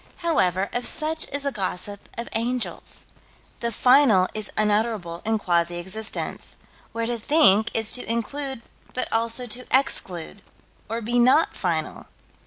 However, of such is the gossip of angels. The final is unutterable in quasi existence, where to think is to include but also to exclude, or be not final.